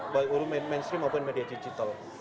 baik uru mainstream maupun media digital